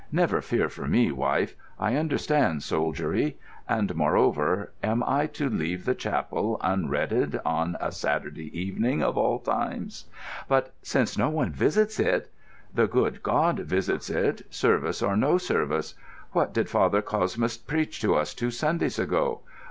"Never fear for me, wife; I understand soldiery. And moreover, am I to leave the chapel unredded on a Saturday evening, of all times?" "But since no one visits it——" "The good God visits it, service or no service. What did Father Cosmas preach to us two Sundays ago?